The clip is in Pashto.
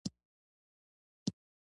اوبه د عضلو حرکت ته مرسته کوي